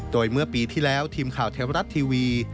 โดยเมื่อปีที่แล้วทีมข่าวเทวรัฐทีวี